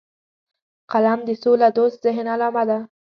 قلم د سولهدوست ذهن علامه ده